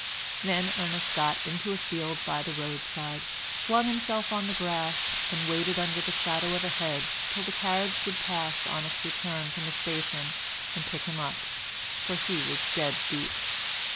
Then Ernest got into a field by the roadside, flung himself on the grass, and waited under the shadow of a hedge till the carriage should pass on its return from the station and pick him up, for he was dead beat.